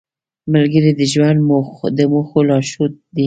ملګری د ژوند د موخو لارښود دی